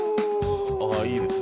あいいですね。